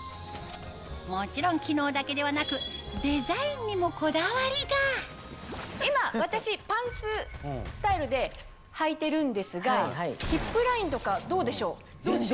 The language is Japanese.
もちろん機能だけではなくデザインにもこだわりが今私パンツスタイルではいてるんですがヒップラインとかどうでしょう？